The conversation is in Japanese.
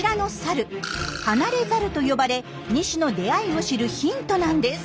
「離れザル」と呼ばれ２種の出会いを知るヒントなんです。